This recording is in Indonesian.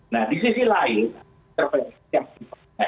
nah di sisi lain terpencilnya